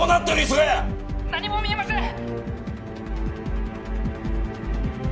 磯ヶ谷何も見えません！